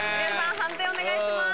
判定お願いします。